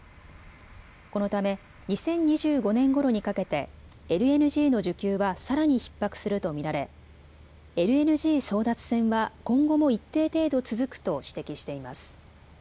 このため２０２５年ごろにかけてＬＮＧの需給はさらにひっ迫すると見られＬＮＧ争奪戦は今後も一定程度続くと指摘しています。